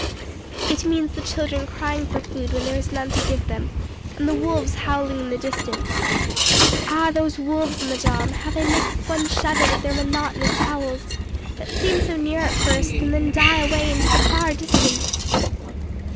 It means the children crying for food when there is none to give them, and the wolves howling in the distance. Ah! those wolves, madame, how they make one shudder with their monotonous howls, that seem so near at first, and then die away into the far distance!